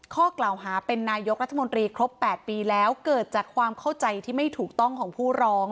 ข้อกล่าวหาเป็นนายกรัฐมนตรีครบ๘ปีแล้วเกิดจากความเข้าใจที่ไม่ถูกต้องของผู้ร้อง